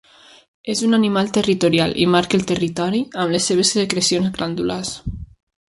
És un animal territorial i marca el territori amb les seves secrecions glandulars.